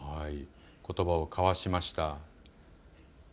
ことばを交わしました。